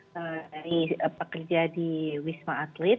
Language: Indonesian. dari pekerja di wisma atlet